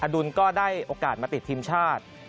ดุลก็ได้โอกาสมาติดทีมชาติ